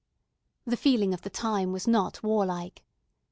The feeling of the time was not warlike.